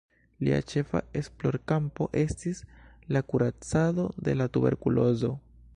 Lia ĉefa esplorkampo estis la kuracado de la tuberkulozo.